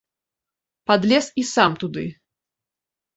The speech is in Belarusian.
Падлез і сам туды.